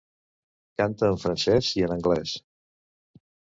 Canta en francès i en anglès.